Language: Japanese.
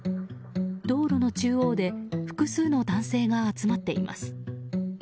道路の中央で複数の男性が集まっています。